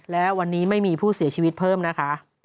และวันนี้ไม่มีผู้เสียชีวิตเพิ่มนะคะ